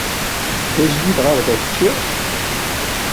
D ajdid ɣer da kečči?